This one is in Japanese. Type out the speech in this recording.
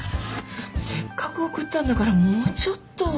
せっかく送ったんだからもうちょっと。